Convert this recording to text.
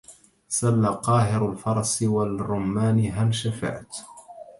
سل قاهر الفرس والرومان هل شفعت